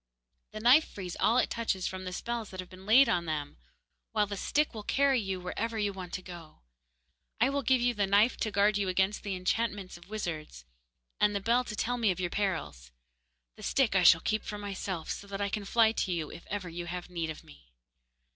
The knife frees all it touches from the spells that have been laid on them; while the stick will carry you wherever you want to go. I will give you the knife to guard you against the enchantments of wizards, and the bell to tell me of your perils. The stick I shall keep for myself, so that I can fly to you if ever you have need of me.